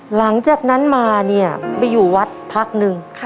หลังจากนั้นมาเนี่ยไปอยู่วัดพักหนึ่ง